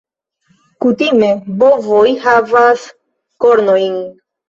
Kutime bovoj havas kornojn.